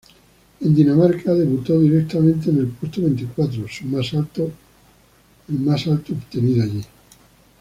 En Dinamarca debutó directamente en el puesto veinticuatro, su más alto obtenido allí.